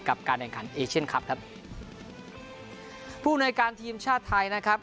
การแข่งขันเอเชียนคลับครับผู้ในการทีมชาติไทยนะครับ